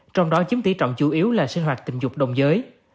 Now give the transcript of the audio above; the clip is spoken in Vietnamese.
trong đó chiếm tỷ trọng chủ yếu là sinh hoạt tình dục đồng giới